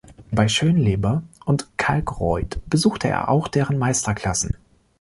Bei Schönleber und von Kalckreuth besuchte er auch deren Meisterklassen.